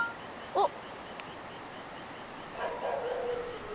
おっ！